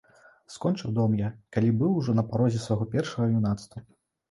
Скончыў дом я, калі быў ужо на парозе свайго першага юнацтва.